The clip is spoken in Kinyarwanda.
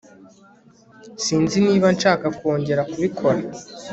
sinzi niba nshaka kongera kubikora